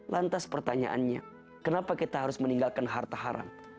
lantas pertanyaannya kenapa kita harus meninggalkan harta haram